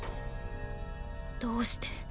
どうして？